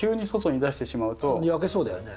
焼けそうだよね。